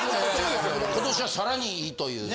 今年は更に良いというね。